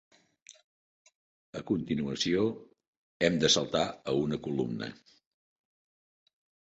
A continuació, hem de saltar a una columna.